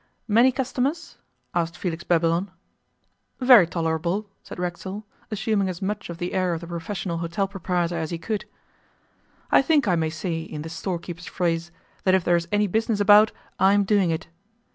'Many customers?' asked Felix Babylon. 'Very tolerable,' said Racksole, assuming as much of the air of the professional hotel proprietor as he could. 'I think I may say in the storekeeper's phrase, that if there is any business about I am doing it.